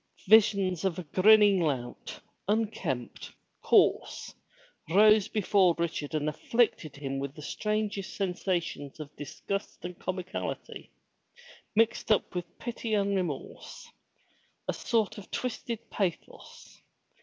Visions of a grinning lout, unkempt, coarse, rose before Richard and afflicted him with the strangest sensations of disgust and comicality, mixed up with pity and remorse, — a sort of twisted pathos.